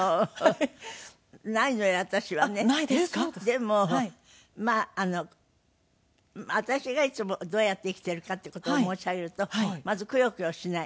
でもまあ私がいつもどうやって生きているかっていう事を申し上げるとまずクヨクヨしない。